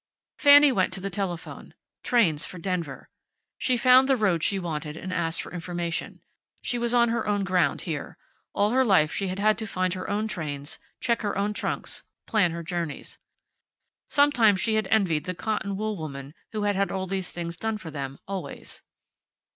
Fanny went to the telephone. Trains for Denver. She found the road she wanted, and asked for information. She was on her own ground here. All her life she had had to find her own trains, check her own trunks, plan her journeys. Sometimes she had envied the cotton wool women who had had all these things done for them, always.